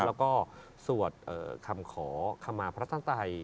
แล้วก็สวดคำขอคำมาพระท่านไตย